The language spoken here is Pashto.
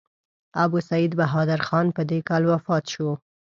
ابوسعید بهادر خان په دې کال وفات شو.